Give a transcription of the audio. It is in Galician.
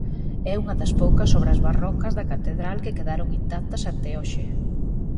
É unha das poucas obras barrocas da catedral que quedaron intactas até hoxe.